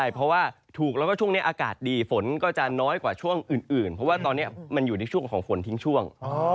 เพราะว่าถูกแล้วก็ช่วงนี้อากาศดีฝนก็จะน้อยกว่าช่วงอื่นเพราะว่าตอนนี้มันอยู่ในช่วงของฝนทิ้งช่วง